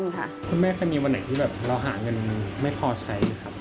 คุณแม่เคยมีวันไหนที่แบบเราหาเงินไม่พอใช้ครับ